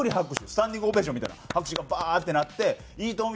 スタンディングオベーションみたいな拍手がバーッてなって『いいとも！』